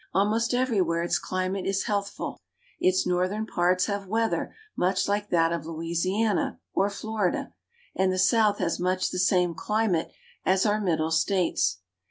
Almost everywhere its climate is healthful. Its northern parts have weather much like that of Louisiana or Florida, and the south has much the same climate as our middle States.